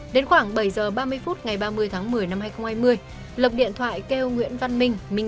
đến khoảng bảy h ba mươi phút ngày ba mươi tháng một mươi năm hai nghìn hai mươi lộc điện thoại kêu nguyễn văn minh